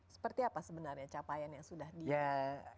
seperti apa sebenarnya capaian yang sudah diberikan